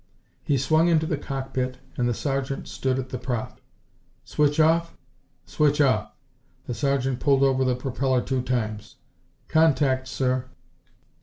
He swung into the cockpit and the Sergeant stood at the prop. "Switch off?" "Switch off!" The sergeant pulled over the propeller two times. "Contact, sir."